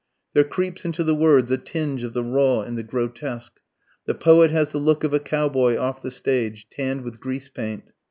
There creeps into the words a tinge of the raw and the grotesque. The poet has the look of a cowboy off the stage, tanned with grease paint.